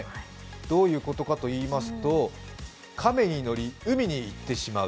どういうことかというと亀に乗り、海に行ってしまう。